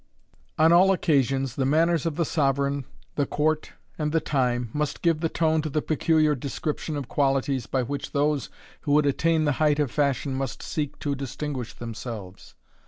On all occasions, the manners of the sovereign, the court, and the time, must give the tone to the peculiar description of qualities by which those who would attain the height of fashion must seek to distinguish themselves.